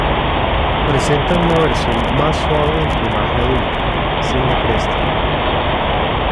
Presentan una versión más suave del plumaje adulto, sin la cresta.